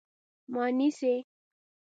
_ما نيسئ؟